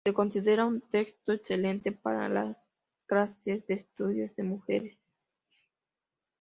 Se considera un texto excelente para las clases de estudios de mujeres.